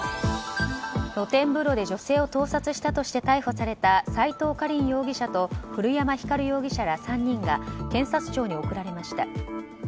露天風呂で女性を盗撮したとして逮捕された斉藤果林容疑者と古山輝容疑者ら３人が検察庁に送られました。